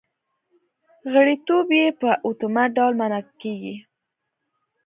غړیتوب یې په اتومات ډول منل کېږي